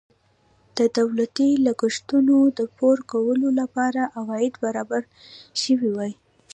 د دولتي لګښتونو د پوره کولو لپاره عواید برابر شوي وای.